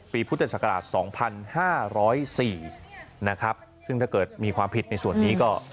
ปีพุทธศักราชสองพันห้าร้อยสี่นะครับซึ่งถ้าเกิดมีความผิดในส่วนนี้ก็